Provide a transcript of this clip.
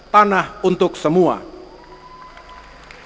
tanah untuk suatu negara